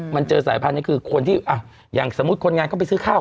มันเจอสายพันธุ์นี่คือคนที่อย่างสมมติคนร่างก็ไปซื้อข้าว